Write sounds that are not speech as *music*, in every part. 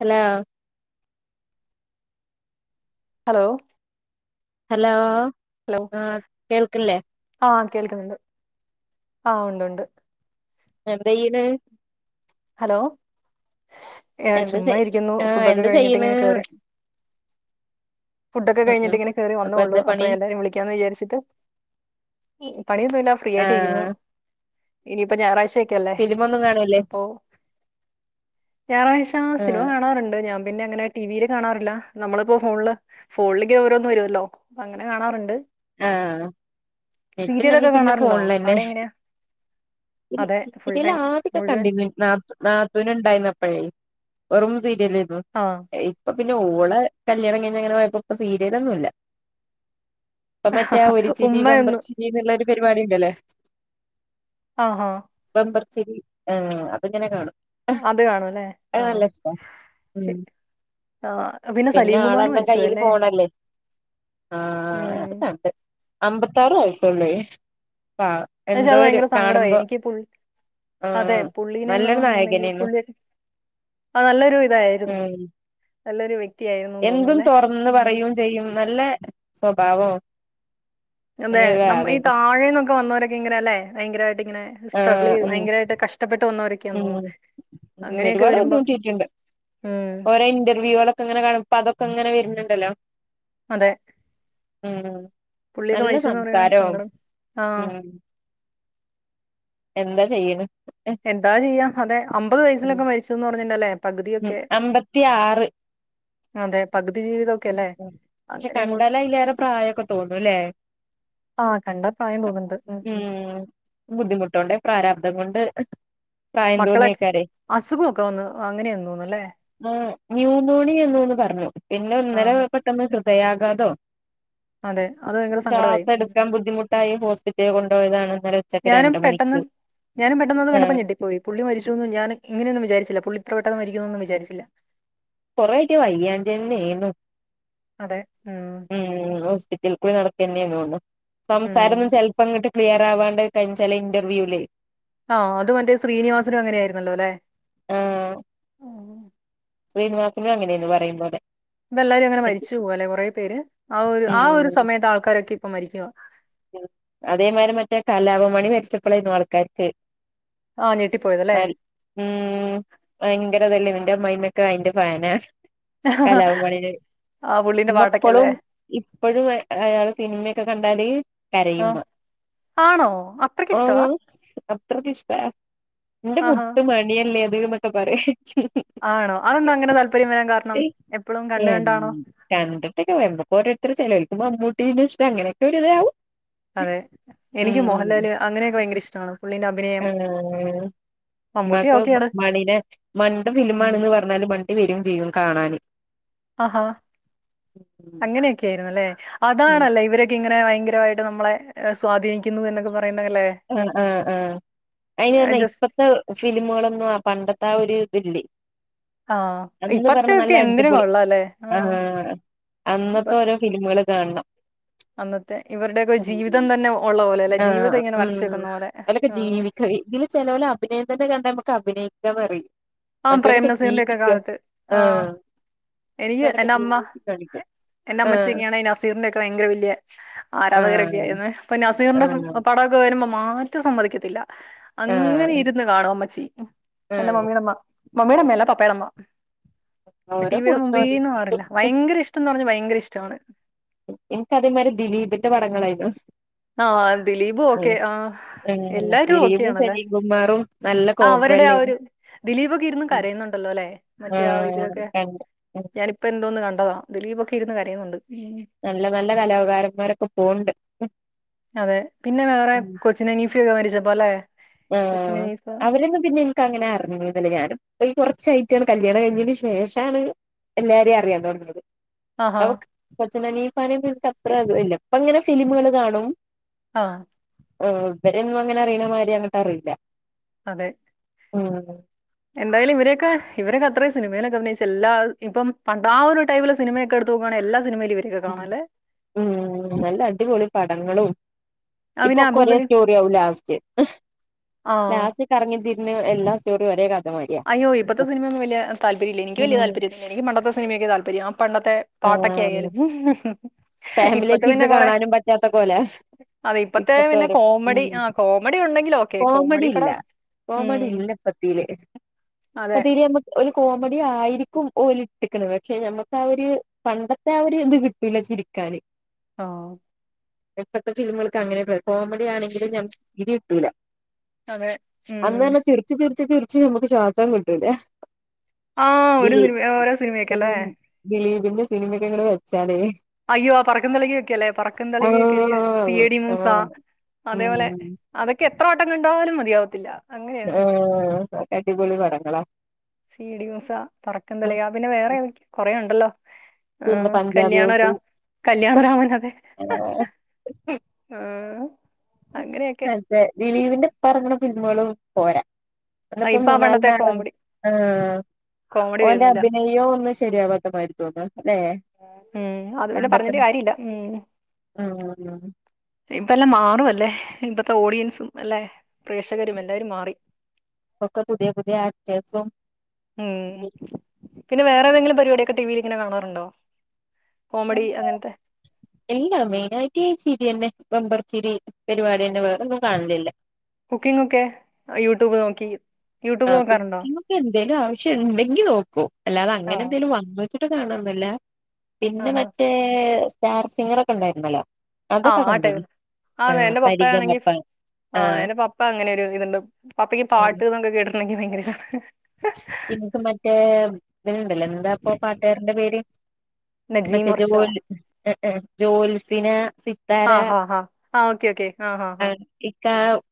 Hello hello hello hello ആഹ കേൾക്കല്ലേ ആഹ് കേൾക്കുന്നുണ്ട് ആഹ് ഉണ്ട് ഉണ്ട് എവിടെന്നോ ഏ എന്താ ചുമ്മാ ചെയ് ഇരിക്കുന്നു ആ ഫുഡൊക്കെ എന്താ കഴിഞ്ഞിട്ട് ചെയ്യണ് ഇങ്ങനെ കേറി ഫുഡൊക്കെ ഉം കഴിഞ്ഞിട്ട് ഉം ഇങ്ങനെ കറി വന്നള്ളു എന്താ അപ്പൊ പണി എല്ലാരും വിളിക്കാന്ന് വിചാരിച്ചിട്ട് പണിയൊന്നുമല്ല ഫ്രീ ആ ആയിട്ട് ഇരിക്കുന്നു ഇനി അപ്പൊ ഞായറാഴ്ചൊക്കെല്ലേ ഫിലിമൊന്നും കാണൂല്ലേ അപ്പോ ഞായറാഴ്ച ആ സിനിമ കാണാറുണ്ട് ഞാൻ പിന്നെ അങ്ങനെ ടി വിയിൽ കാണാറില്ല നമ്മളിപ്പോ ഫോണില് ഫോണിലേക്ക് ഓരോന്നും വരുമല്ലോ അങ്ങനെ കാണാറുണ്ട് ആഹ നെറ്റുണ്ടെങ്കി സീരിയലൊക്കെ പിന്നെ കാണാറുണ്ടോ ഫോണിൽ തന്നെ അവിടെ എങ്ങനെയാ അതെ ഫുൾ സീരിയൽ ടൈം ആതൊക്കെ മുഴുവൻ കണ്ടിു നാത്തുന ഉണ്ടായിന്നപ്പഴി വെറും സീരിയല ആഹ് ഇപ്പ പിന്നെ ഓള കല്യാണംങ്ങഞ്ഞ അങ്ങനെ പോയപ്പോ ഇപ്പ സീരിയലൊന്നുംല്ല ഇപ്പൊ മറ്റേ ഒരു ചിരി ബമ്പർ ഉമ്മയൊന്ന് ചിരി എന്നുള്ള പരിപാടി ഉണ്ടല്ലേ ആഹഹ ച്ചിരി അപ്പൊ ഇങ്ങനെ കാണും അത് കാണുംല്ലേ അത് ആഹ നല്ല ഇഷ്ടാ ശ ഉം ആ പിന്നെ സലീംകുമാർ ആളെല്ലാം മരിച്ചുവോ കയ്യില് അല്ലേ ഫോണല്ലേ ഉ തട്ട അമ്പത്താറ ആയിത്തുള്ള എന്നച്ചാ അത് ഭയങ്കര സങ്കടമായി എനിക്ക്ി അതെ ആഹ് പുള്ളീന്ന് നല്ലൊരു പറഞ്ഞട്ടണ്ടെങ്കി നായകനേന്നു പുള്ളി ആ നല്ലൊരു ഇതായിരുന്നു ഉം നല്ലൊരു വ്യക് എന്തും തോറന്നും പറയും ചെയ്യും നല്ലേ സ്വബാവവാ അതെ നമ്മ് ഈ താഴേന്നൊക്കെ വന്നവരൊക്കെങ്ങനെല്ലെ ഭയങ്കരമായിട്ട് ഇങ്ങനെ സ്ട്രഗിൾ ആഹ് ചെയ്ത് ഉമ് ഭയങ്കരമായിട്ട് കഷ്ടപ്പെട്ട് വന്നവരൊക്കെയാന്ന് ഉമ് തോന്നുന്നു അങ്ങനെയൊക്കെ ഒരുപാട് വരുമ്പം ബുദ്ധിമുട്ടിട്ടുണ്ട് ഉം ഓരോ ഇന്റർവ്യൂകൾ ഒക്കെ ഇങ്ങനെ കാണുബോ അതൊക്കെ ഇങ്ങനെ എന്ന്ണ്ടല്ലോ. അതെ. ഉമ്. പുള്ളിയൊക്കെ മരിച്ചുന്ന് പറഞ്ഞാ സങ്കടം ആഹ് ഉം എന്താ ചെയ്യണ്. എന്താ ചെയ്യാം അതെ അമ്പത് വയസിലൊക്കെ മരിച്ചുന്ന് പറഞ്ഞിണ്ടല്ലേ ഉം പകുതിയൊക്കെ അമ്പത്തി ആറ് അതെ പകുതി ജീവിതം. പക്ഷെ കണ്ടാൽ ആയില്റെ പ്രായൊക്കെ തോന്നൂവല്ലേ ആഹ് കണ്ടാ പ്രായം തോന്നുന്നുണ്ട് ഉം ഉം. ഉമ് ബുദ്ധിമുട്ടോണ്ട് പ്രാരാബ്ദം കൊണ്ട്. പ്രായം മക്കളൊക്കെ തോന്നിക്കാരെ അസുഖമൊക്കെ വന്ന് അങ്ങനെയെന്ന് തോന്നുന്നല്ലേ ആഹ് ന്യൂമോണിയ എന്ന് തോന്നുന്നു പറഞ്ഞു പിന്നെ ഒന്നര ആഹ് ഹൃദയകതാവോ. അതെ അത് ഭയങ്കര സങ്കടമായി ശ്വാസം ഉം. എടുക്കാൻ ബുദ്ധിമുട്ടായി ഹോസ്പിറ്റല് കൊണ്ട്. ഇതാണ്. ഞാനും പെട്ടെന്ന് ഞാനും പെട്ടെന്ന് അത് കണ്ടപ്പോ ആഹ് ഞെട്ടിപ്പോയി പുള്ളി മരിച്ചുന്ന് ഞാൻ ഇങ്ങനെയൊന്നും വിചാരിച്ചില്ല പുള്ളി ഇത്ര പെട്ടെന്ന് മരിക്കും ന്ന്. കും ന്ന് വിചാരിച്ചില്ല. കൊറെയൊക്കെ. *unintelligible* അതെ ഉം ഉമ് ഹോസ്പിറ്റലിൽ കൂടി നടക്ക തന്നെയാര്ന്നു. ഉം സംസാരം ഒന്നും ചെലപ്പോ അങ്ങട്ട് ക്ലിയർ ആവാണ്ട് കാണ്ച്ചാൽ ഇന്റർവ്യൂല്. ആഹ് അത് മറ്റേ ശ്രീനിവാസനും അങ്ങനെ ആയിരുന്നല്ലോ അല്ലെ ആഹ് ശ്രീനിവാസനും അങ്ങനെയാന്ന് പറയുന്നത്. ഇപ്പ എല്ലാരും അങ്ങനെ മരിച്ചു പോക അല്ലെ കുറേ പേര് ആഹ് ഒരു ആഹ് ഒരു സമയത്ത് ആൾക്കാരൊക്കെ. അപ്പ മരിക്കുവാ അതേമാരി മറ്റേ കലാഭാൻമണി മരിച്ചപ്പോളായിരുന്നു ആൾക്കാർക്ക്. ആഹ് ഞെട്ടിപ്പോയതല്ലേ അല് ഉമ് ഭയങ്കരതല്ലേ ന്റെ അമ്മായിമ് ക്കെ അയിന്റെ ഫാന കലഭവൻ മണിടെ ആ പുള്ളീന്റെ പാട്ടൊക്കെല്ലേ ഇന്നെപ്പളും ഇപ്പോഴും അയാൾടെ സിനിമയൊക്കെ കണ്ട *inaudible* ആഹ് കരയുമ്മാ ആണോ അത്രയ്ക്ക് ഇഷ്ടവാ ഓഹ് അത്രക്ക്‌ ഇഷ്ട എന്റെ ആഹാ മുത്ത് മണിയല്ലേ അത്. ന്നൊക്കെ പറയും. ആണോ അതെന്താ അങ്ങനെ താല്പര്യം വരാൻ കാരണം എപ്പോഴും കണ്ട് എൻ കണ്ടാണോ മമ്മൂട്ടീ ഇഷ്ടാ അങ്ങനൊക്കെ ഒരുരിരാവു. അതെ എനിക്ക് മോഹൻലാല് അങ്ങനെയൊക്കെ ഭയങ്കര ഇഷ്ടമാണ് പുള്ളിന്റെ അ ആ നക്ക് ഓക്കെയാണ് മണിനെ മണിന്റെ ഫിലിം ഉം. ആണന്ന് പറഞ്ഞാല്. *unintelligible* വരും ചെയ്യും കാണൻ ആഹാ ഉം അങ്ങനെയൊക്കെ ആായിരുന്നല്ലേ അതാണല്ല ഇവരൊക്കെ ഇങ്ങനെ ഓ ഭയങ്കരമായിട്ട് നമ്മളെ സ്വാധീനിക്കുന്നു എന്നൊക്കെ പാ ആ ആ ആ അയിന് പറഞ്ഞാ ജസ്റ്റ് ഇപ്പത്തെ ഫിലിമുകളൊന്നും ആ പണ്ടത്തെ ആ ഒരു *unintelligible* ആ അന്ന് ഇപ്പത്തെ പറഞ്ഞ നല്ല ഒക്കെ എന്തിന് അടിപൊളി കൊള്ളാല്ലേ ആ ഇപ്പ അന്നത്തെ ഓരോ ഫിലിമുകൾ കാണണം അന്നത്തെ ഇവരുടെയൊക്കെ ജീവിതം തന്നെ ഉള്ള പോലെ അല്ലെ ആ ജീവിതം ഇങ്ങനെ വരച്ച് ഉം വെക്കുന്ന പോലെ അതൊക്ക ആ ജീവിക്ക ഇതില് ചേലോലെ അഭിനയം തന്നെ കണ്ട നമ്മ അഭിനയിക്കാ പറി ആ പ്രേം നസീറിന്റെൊക്കെ കാലത്ത് ആ ആഹ് എനിക്ക് മറ്റോലൊക്കെ എന്റെറെ അമ്മ ജീവിച്ച് കാണിക്കും എന്റെറെ അമ്മച്ചി ആഹ് എങ്ങാണ് നസീറിന്റെ ഒക്കെ ഭയങ്കര വലിയ ആരാധകരൊക്കെ ആഹ് ആായിരുന്നു അപ്പൊ നാ സിറിന്റെ ആഹ് പാടാഒക്കെ വെ മാറ്റം സമ്മതിക്കത്തില്ല അങ്ങനെ ആഹ് ഇരുന്ന് കാണും അമ്മച്ചീ എൻന്റെ ആഹ് മമ്മിയുടെ അമ്മ മമ്മിയടമ്മല്ല പപ്പാടമ്മ ഓരോ ടി വിടെ കൊടുത്ത മുമ്പീന് മാറില്ല ഓരോരുത്തർക്ക് ഭയങ്കര ഇഷ്ടം എന്ന് പറഞ്ഞാൽ ഭയങ്കര ഇഷ്ടാണ് എനിക്ക് അതേമാരി ദിലീപിന്റെ പടങ്ങളായിരുന്നു ആ ദിലീപും ഉം ഓക്കെ ആ ഉം എല്ലാരും ദിലീപും ഓക്കെയണല്ലേ സലീം കുമാറും നല്ല ആ കോംബോ അവരുടെ ആ അല്ലേനു ഒരു ദിലീപൊക്കെ ഇരുന്ന് കരയുന്നുണ്ടല്ലോ അല്ലെ മറ്റേ ആ ആഹ് ഇതിലൊക്കെ കണ്ട് ഞാനിപ്പ എന്തോന്ന് കണ്ടതാ ദിലീപൊക്കെ ഇന്ന് കരയുന്നുണ്ട് നല്ല നല്ല കലാകാരന്മാരൊക്കെ പൊന്നിണ്ട് അതെ പിന്നെ വേറെ കൊച്ചിനെ ഹനീഫ മരിച്ച ബോലേ ആ അവരൊന്നും പിന്നെ എനിക്ക് അങ്ങനെ അറിങ്ങന്നില്ല ഞാനിപ്പൊ കുറ ചായിട്ടാണ് കല്യാണം കഴിഞ്ഞതിനന് ശേഷാണ് എല്ലാരെയും അറിയാൻ തുടങ്ങിയത് ആഹാ അവക് കൊച്ചിൻ ഹനീ പരീമ്പോ എനിക്ക് അത്ര അഗ്രില്ല ഇപ്പ അങ്ങനെ സിനിമകൾ കാണും ആ ഉഹ് പിന്നാ അങ്ങനെ അറിയണമാരിയ തറില്ല അതെ ഉം എന്തായാലും ഇവരൊക്കെ ഇവരൊക്കെ അത്ര സിനിമയിലൊക്കെ അഭിനയിച്ചച്ച് എല്ലാ ഇപ്പം പണ്ട ആ ഒരു ടൈപ്പിലെ സിനിമയക്ക എടുത്ത്ോക്കുകയാെ എല്ല ഉം നല്ല അടിപൊളി പടങ്ങളും ഇപ്പൊ അവന് ഒക്ക ഒരേ അബൂസലീം സ്റ്റോറി ആവും ലാസ്റ്റ്. ആഹ് ലാസ്റ്റ് കറങ്ങി തിരി ഞ്ഞ് എല്ലാ സ്റ്റോറീം ഒരേ ക അയ്യോ ഇപ്പത്തെ സിനമയൊന്നും വല്യ താല്പര്യവില്ല എനിക്ക് വല്യ താല്പര്യവില്ല എനിക്ക് പണ്ടത്തെ സിനിമയൊക്കയാ താല്പര്യം ആ പണ്ടത്തെ പാട്ടൊക്കെ ആഹ് ആയാലും ഫാമിലി ഇപ്പത്തെ ആയിട്ട് പിന്നെ ഇരുന്ന് കൊറെ കാണാനും പറ്റാത്ത പോലെ അതെ ഇപ്പത്തെ പിന്നെ ഓരോ കോമഡി ഉം ആ കോമഡി ഒണ്ടെങ്കിൽ ഓക്കെ കോമഡി പടം ഇം കോമഡി ഇല്ല ഇപ്പത്തീല് *unintelligible* കോമഡി ആയിരിക്കും ഓലിട്ടെക്കണത് പക്ഷെ നമ്മക്ക് ആ ഒരു പണ്ടത്തെ ആ ഒ രിത് കിട്ടൂല്ല ചിരിക്കാന് ആ ഇപ്പത്തെ സിനിമകൾക്ക് അങ്ങനെ *unintelligible* കോമഡി ആണെങ്കിലും ഞമ്മക്ക് ചിരി കിട്ടൂല അതെ അന്ന് ഉം തന്നെ ചിരിച്ച് ചിരിച്ച് ചിരി ച്ച് നമുക്ക് ശ്വാസം കിട്ടൂലാ ആ ഒരു സിനിമ ഓരോ സിനിമയൊക്കെ അല്ലേ *unintelligible* സിനിമേക്ക ഇങ്ങനെ വെ ച്ചാലേ അയ്യോ പറക്ക തിളകിക്കെല്ലെ പറക്കും തിളകിക്കെ ആഹ് സിയേടി മൂസ ആഹ് അതേപോലെ ഉം അതൊക്കെ എ പത്രോട്ടം കണ്ടലും മതിയാവത്തില്ല അങ്ങനെയാണ് ആ അടിപൊളി പടങ്ങളാ സീടി മൂസ പറക്കന്തലിക പിന്നെ വേറെ ഏത കുറേ ഉണ്ടല്ലോ പിന്നെ ആഹ് പഞ്ചാബി കല്യാണരാ ഹൗസ് കല്യാണരാമൻ അതെ *unintelligible* ആഹ് അങ്ങനെയൊക്കെ അതേ ദിലീപിന്റെ പറങ്ങണ സിനിമകള് പോരാ അപ്പ ഇപ്പൊ ആ മൂന്നാലി പണ്ടത്തെ കോമഡി ആ കോമഡി ഓന്റെ വരുന്നില്ല അഭിനയോ ഒന്ന് ശരിയാവാത്ത മതിരി തോന്ന ഉം അത് പിന്നെ പറഞ്ഞിട്ട് കാര്യല്ല ഉം ഉം ഇപ്പ എല്ലാം മാറുംല്ലേ ഇപ്പത്തെ ഓഡിയൻസും അല്ലെ പ്രേക്ഷകരും എല്ലാവരും മാറി ഇപ്പൊ കേ പുതിയ പുതിയ ആക്റ്റർസും ഉം പിന്നെ വേറെ ദേങ്കിലും പരിപാടി ഒക്കെ ടിവിൽ ഇങ്ങെനേ കാണാറുണ്ടോ കോമഡി അങ്ങനത്തെ എല്ലാ മെയിന ആയിട്ട് ചിരി തന്നെ ബെമ്പർച്ചിരി പരിപാടെ വേ ഒന്നും കാണലില്ല കുക്കിംഗ ഒക്കെ യൂട്യൂബ് നോക്കി ആ യൂട്യൂബ് നോക്കാറുണ്ടോ കുക്കിങ്ങൊക്കെ എനി എന്തേലും ആവശ്യം ഇണ്ടെങ്കി നോക്കും അല്ലാതങ്ങനെ ആഹ് എന്തേലും വന്ന് *unintelligible* കാണൊന്നില്ല പിന്നെ ആഹാ മറ്റേ സ്റ്റാർ സിംഗർ ഒക്കെ ഉണ്ടായിരുന്നല്ലോ ആഹ അതൊക്കെ ആ ടൈമ് കണ്ടേനി ആ ആതെ എന്റെ പപ്പ ആണെങ്കി പരിഗമപ്പ ആ എന്റെ പപ്പ അങ്ങനൊരു ഇത്ണ്ട് പപ്പയ്ക്ക് പാട്ട്ന്നൊക്കെ കേട്ട നി ഭയങ്കര സ ഇനിക്ക് മറ്റേ ഇത്ണ്ടല്ലോ എന്താപ്പൊ പാട്ടാരന്റെ പേര് നജീം മറ്റേ വർഷ ജോല് ജോൽസിന സിത്താര ആഹ് ആഹ് ഹഹ് ആഹ് ഓക്കെ ഓക്കെ ആഹ് ആഹ് ആഹ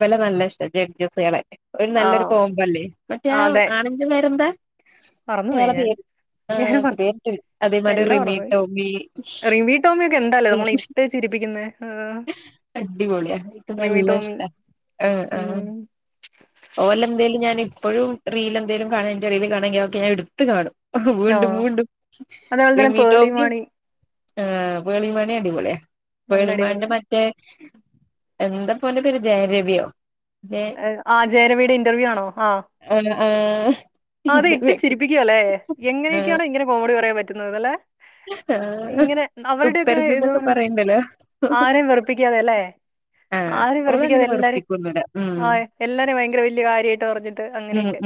വെല നല്ല ഇഷ്ടം ജെഡ് ജെ സേളെ ഒരു ആ നല്ലൊരു കോംമ്പല്ലേ മറ്റേ ആ, അതെ ആന എരുന്ത് മറന്നുപോയി അയാളെ ഞാൻ പേര് ഞാൻ ആഹ് മറ- *unintelligible* അതേമാതി എല്ലാം റിമി മറന്നുപോയി ടോമി റിമി ടോമിയൊക്കെ എന്താല്ലേ നമ്മളെ ഇട്ട് ചിരിപ്പിക്കുന്നെ ആഹ് അടിപൊള്യ ഇൻക്ക് റിമി നല്ല ടോമി ഇഷ്ട ആ ഉം ഓല്ല എന്തേലും ഞാൻ അപ്പോഴും റീൽ എന്തേലും കാണ എറെീതി കാണങ്കിൽെ ഞൻ എടുത്ത് കാണും മുണ്ട് ആഹ് മണ്ട് അതേപോലെ തന്നെ പേർളി മീട്ടോമി മാണി ആഹ് പേളി മാണി അടിപൊള്യ നല്ല പേളിമാണിന്റെ അടിപൊളിയാ മറ്റേ എന്താ പോൻ പേര് ജയരവിയോ ജയ ആ ജയര വീട് ഇന്റർവ്യൂ ആണോ ആഹ ആഹ് ആഹ് അതെ ഇട്ട് ചിരിപ്പിക്കുക ല്ലെ ആ എങ്ങനെയൊക്കെയാണ് ഇങ്ങനെ കോമഡി പറയാൻ പറ്റുന്നത് ല്ലെ ആ ഇങ്ങനെ അവരുടെയൊക്കെ തുപ്പരുത് ഇത് ന്നൊക്കെ പറയണ്ടല്ലോ ആരെം വെറുപ്പിക്കാതെ ല്ലെ ആഹ് ആരെം ഓള് വെറുപ്പിക്കാതെ അങ്ങനെ എല്ലാരെ വെറുപ്പിക്കൊന്നുല്ല ഉം ആ എല്ലാ രെം ഭയങ്കര വല്യ കാര്യായിട്ട് പറഞ്ഞിട്ട് അങ്ങനെയൊക്കെ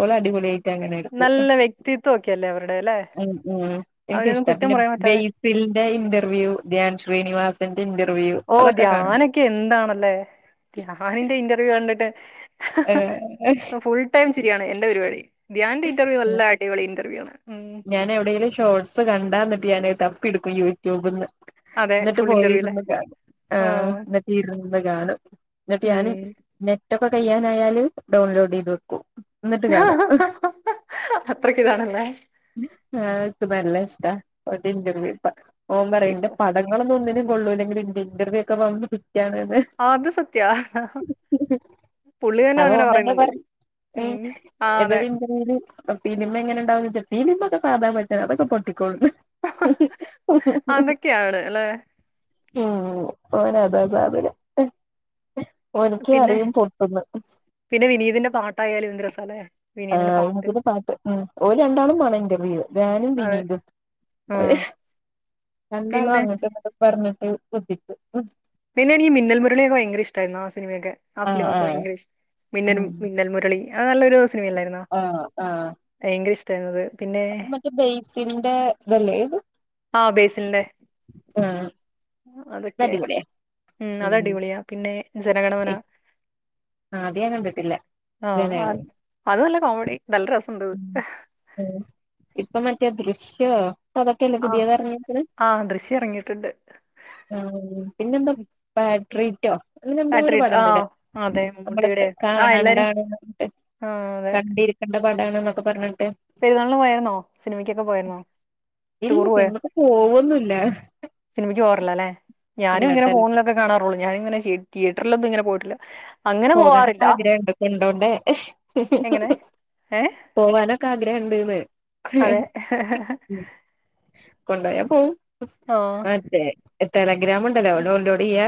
ഓള അടിപൊളിയായിട്ട് അങ്ങനെ ഇരിക്കു നല്ല വ്യക്തിത്വം ഒക്കെ അല്ലേ അവരുടെ അല്ലെ ഉം ഉം എനിക്ക് അവരെയൊന്നും ഇഷ്ട കുറ്റം പിന്നെ പറയാൻ പറ്റാതെ ബെയ്സിന്റെ ഇന്റർവ്യൂ ധാൻ ശ്രീനിവാസന്റെ ഇന്റർവ ഓ ധ്യാനൊക്കെ എന്താണല്ലേ ധ്യാനിന്റെ ഇന്റർവ്യൂ കണ്ടിട്ട് ഹ് ഹ് ഏഹ് ഹ് ഫുൾ ടൈം ചിരിയാണ് എന്റെറെ ഒരുപാടി ധ്യൻന്റെ ഇന്റർവ്യൂ നല്ല അടിപൊളി ഇന്റർവ്യൂ ആണ് ഉം ഞാൻ എവിടെലും ഷോർട്സ് കണ്ടാന്നട്ട് ഞാനഹ് തപ്പ് ഇട്ക്കും യൂറ്റൂബ്ന്ന് അതെ എന്നട്ട് ഫുൾ ഇന്റർവ്യൂല്ലേ പോയിരുന്ന് കാണും ആ എന്നിട്ട് ഇരുന്ന് കാണും എന്നിട്ട് ഉം ഞാനും ഒക്കെ കയ്യാനായാലും ഡൗൺലോഡ് ചെയ്ത് വെക്കും ന്നിട്ട് ഹ് കാണും ഹ് ഹ് അത്രക്ക് ഇതാണല്ലേ ആാഹ് *unintelligible* നല്ല ഇഷ്ട ഒ *unintelligible* ഇന്റർവ്യു പ ഓംപറിം ന്റെ ഇപ്പൊ പടങ്ങളൊന്നിനും കൊള്ളുല്ലെങ്കിലും ഇന്റർവ്യു ഒക്കെ അത് സത്യാ പുള്ളി തന്നെ അങ്ങനെ പറയുന്നുണ്ട് ഉം ആ അതെ *unintelligible* *unintelligible* *unintelligible* അതൊക്കെയാണ് അല്ലെ ഉം ഓന് അതാ അതാണ് ഒനിക്ക് പിന്നെ അറിയും പെട്ടന്ന് പിന്നെ വിനീതിന്റെ പാട്ടായാലും എന്ത് രസാല്ലേ ആ വിനീതിന്റെ പാട്ട് *unintelligible* *unintelligible* ഇന്റർവ്യു ധാന്യാനും അതെ വിനുതും ആ ശ് രണ്ടാളം പിന്നെ അങ്ങേട്ടും ഇങ്ങോട്ട് പ പറഞ്ഞിട്ട് ബദ്ധി പിന്നെ ഇനീ മിന്നെൽ മുരെളിയെക്കേ ഭയങ്കര ഇഷ്ടാര്ന്ന് സിനിമയെക്കെ ആ ആഹ് ഫിലിമെക്കേ ആഹ് ഭയങ്കര ഇഷ് മിന്നൽ ഉം മിന്നൽ മുരെളി അത് നല്ലൊരു സ് അല്ലാര്ന്നോ ഭയങ്കര ഇഷ് *unintelligible* അപ്പം മറ്റേ ബേയ്സെലിന്റെ ഇത് അല്ലോ ആ ആാ അതെക്കെ ഉം അതാടിപൊളിയാ പിന്നെ ജനഗണമന ആ അത് ഞാൻ കണ്ടിട്ടില്ല ആ അത് ജനഗണമന അത് നല്ല കോമഡി നല്ല രസമുണ്ട് അത്. ഇപ്പം മറ്റേ ദൃശ് *unintelligible* അതൊക്കെല്ലേ ആ പുതിയത് എറങ്ങിക്കണെ ആ ദൃശ്യം ഇറങ്ങിയിട്ടുണ്ട് ആ പിന്നെന്താ ബ റ്റീറ്റോ പാട്രീക്ക് ആ അതെ മമ്മൂട്ടിയുടെ *unintelligible* ആ എല്ലാരും ആ അതെ പാടണെന്നൊക്കേ പറഞ്ഞി പെരുന്നാളിന് പോയര്ന്നോ സിനിമക്കൊക്കെ പോയാര്ന്നോ ടൂറ് പോയോ അല്ല സിനിമക്ക് പോറില്ല അല്ലെ ഞാനും ഇങ്ങനെ ഫോണിലക്കെ കാണാറുള്ളൂ ഞാന ഇങ്ങനെ ഇത്രല്ലൊന്നും ഇങ്ങെ പോയിട്ടില്ല അങ്ങനെ പോകാനൊക്കെ പോവാറില്ല ആഗ്രഹംുണ്ട് കൊണ്ടോണ്ടേ എങ്ങനെ ഏ പോകാനൊക്കെ ആഗ്രഹുണ്ട്ന്ന് അതെ കൊണ്ടായ പോ ആഹ് മതേ എത്ര ഗ്രാമ ഉണ്ടല്ലോ ഡൗൺലോഡ് ചെയ്യാ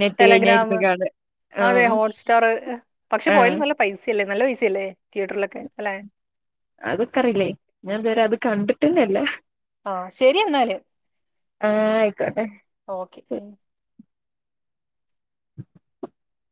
നെറ്റ് ടെലഗ്രാം കഴിഞ്ഞാണ് അതെ ഹോട്ട്സ്റ്റാർ പക്ഷെ പോയൽ നല്ല പൈസ മല്ല വസിലേ അതൊക്കറിയില്ലേ ഞാൻ വേറെ അത് കണ്ടിട്ടില്ല ഹലോ ആഹ ശരി എന്നാല് ആഹ ആയി ഓക്കെ ഉ *unintelligible*